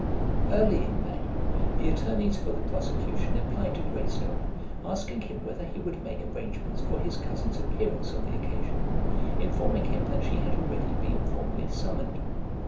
Early in May the attorneys for the prosecution applied to Greystock, asking him whether he would make arrangements for his cousin's appearance on the occasion, informing him that she had already been formally summoned.